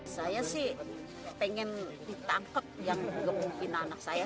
saya sih pengen ditangkap yang kemungkinan anak saya